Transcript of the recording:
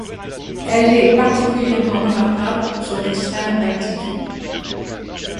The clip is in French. Elle est particulièrement remarquable pour son extrême rectitude.